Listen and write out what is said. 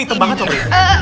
itu banget sobri